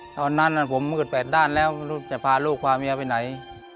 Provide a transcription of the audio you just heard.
ตอนนั้นผมมืดแปดด้านแล้วลูกจะพาลูกพาเมียไปไหน